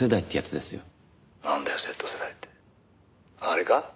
あれか？